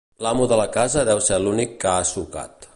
L'amo de la casa deu ser l'únic que ha sucat.